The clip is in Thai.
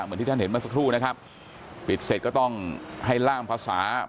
เหมือนที่ท่านเห็นมาสักครู่นะครับปิดเสร็จก็ต้องให้ร่างภาษา